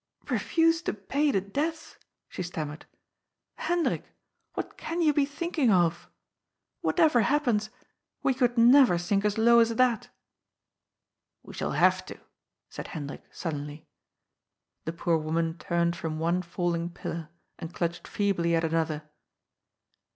" Bef use to pay the debts !" she stammered. " Hendrik, what can you be thinking of ? Whatever happens, we could never sink as low as that." " We shall have to," said Hendrik sullenly. The poor woman turned from one falling pillar and clutched feebly at another.